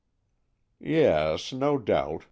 "Yes, no doubt."